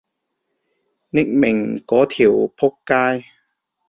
匿名嗰條僕街